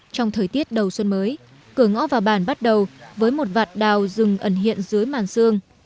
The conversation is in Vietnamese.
trong thời tiết đầu xuân mới cửa ngõ vào bản bắt đầu với một vạt đào rừng ẩn hiện dưới màng xương